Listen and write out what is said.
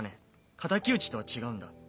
敵討ちとは違うんだ。